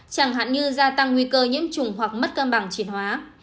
chẳng hạn như gia tăng nguy cơ nhiễm chủng hoặc mất cơ bằng triển hóa